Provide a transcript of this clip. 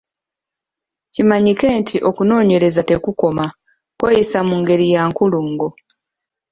Kimanyike nti okunoonyereza tekukoma, kweyisa mu ngeri ya nkulungo.